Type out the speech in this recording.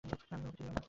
আমি তোমাকে চিনিও না!